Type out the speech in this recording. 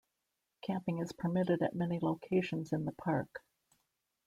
Camping is permitted at many locations in the park.